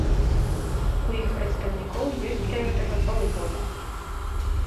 У іх прадстаўнікоў ёсць для гэтага паўгода.